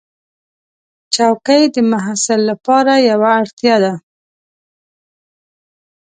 چوکۍ د محصل لپاره یوه اړتیا ده.